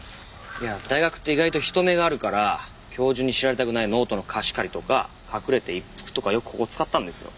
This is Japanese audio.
大学って意外と人目があるから教授に知られたくないノートの貸し借りとか隠れて一服とかよくここ使ったんですよ。